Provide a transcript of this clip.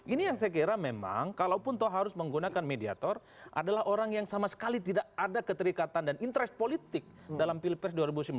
ini yang saya kira memang kalaupun toh harus menggunakan mediator adalah orang yang sama sekali tidak ada keterikatan dan interest politik dalam pilpres dua ribu sembilan belas